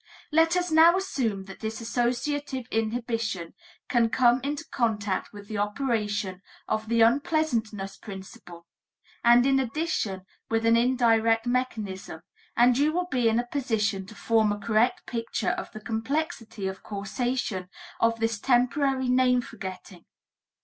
Let us now assume that this associative inhibition can come into contact with the operation of the unpleasantness principle, and in addition with an indirect mechanism, and you will be in a position to form a correct picture of the complexity of causation of this temporary name forgetting.